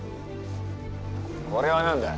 これは何だ？